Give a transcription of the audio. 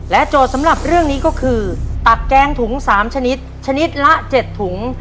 โจทย์สำหรับเรื่องนี้ก็คือตักแกงถุง๓ชนิดชนิดละ๗ถุง